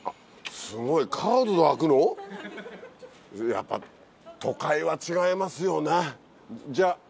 やっぱ都会は違いますよね。